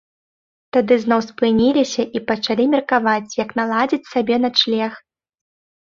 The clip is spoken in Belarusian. Тады зноў спыніліся і пачалі меркаваць, як наладзіць сабе начлег.